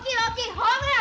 ホームラン！